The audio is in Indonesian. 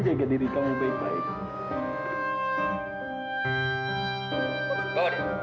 jaga diri kamu baik baik